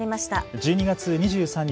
１２月２３日